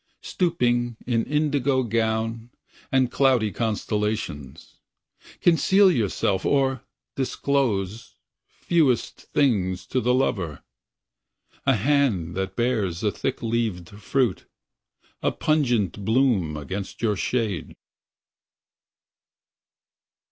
Stooping in indigo gown And cloudy constellations. Conceal yourself or disclose Fewest things to the lover— A hand that bears a thick leaved fruit, A pungent bloom against your shade.